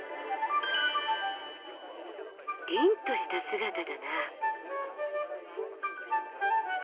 凜とした姿だな。